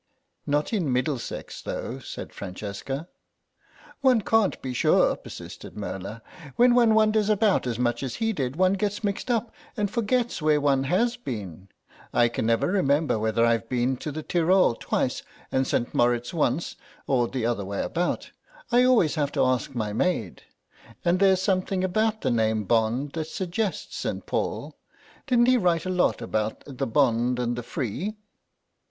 "Not in Middlesex, though," said Francesca. "One can't be sure," persisted Merla; "when one wanders about as much as he did one gets mixed up and forgets where one has been. I can never remember whether I've been to the Tyrol twice and St. Moritz once, or the other way about; I always have to ask my maid. And there's something about the name Bond that suggests St. Paul; didn't he write a lot about the bond and the free?"